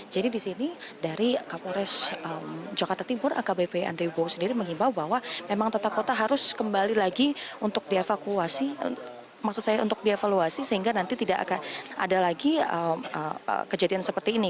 jadi di sini dari kapolres jakarta timur akbp andreu bung sendiri mengimbau bahwa memang tata kota harus kembali lagi untuk dievaluasi sehingga nanti tidak ada lagi kejadian seperti ini